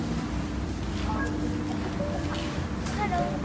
ハハロー？